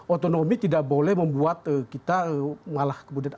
otonomi tidak boleh membuat kita malah kemudian